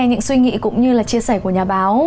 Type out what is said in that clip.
những suy nghĩ cũng như là chia sẻ của nhà báo